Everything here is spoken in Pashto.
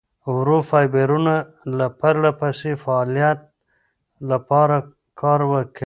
ورو فایبرونه د پرلهپسې فعالیت لپاره کار کوي.